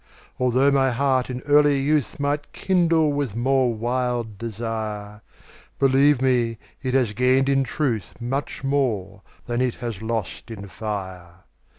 Altho' my heart in earlier youth Might kindle with more wild desire, Believe me, it has gained in truth Much more than it has lost in fire.